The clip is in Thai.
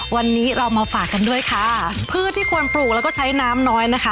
วันนี้เรามาฝากกันด้วยค่ะพืชที่ควรปลูกแล้วก็ใช้น้ำน้อยนะคะ